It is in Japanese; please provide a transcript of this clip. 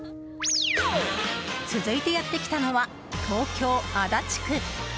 続いてやってきたのは東京・足立区。